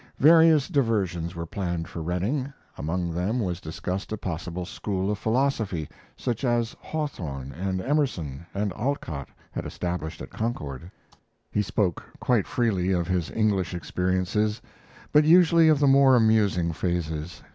Various diversions were planned for Redding; among them was discussed a possible school of philosophy, such as Hawthorne and Emerson and Alcott had established at Concord. He spoke quite freely of his English experiences, but usually of the more amusing phases.